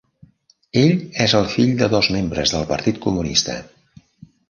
Ell és el fill de dos membres del Partit comunista.